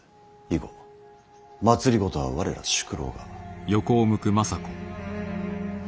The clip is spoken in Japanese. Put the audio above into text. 以後政は我ら宿老が。